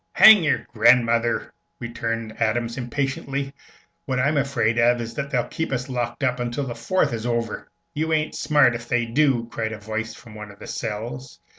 "Hang your grandmother!" returned Adams, impatiently. "What I'm afraid of is that they'll keep us locked up until the Fourth is over." "You ain't smart ef they do!" cried a voice from one of the cells.